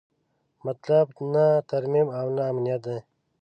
مطلب نه ترمیم او نه امنیت دی.